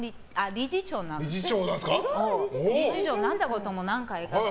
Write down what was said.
理事長になったことも何回か。